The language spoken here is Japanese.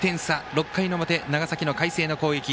６回の裏、長崎の海星の攻撃。